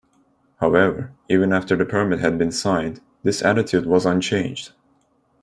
However, even after the permit had been signed, this attitude was unchanged.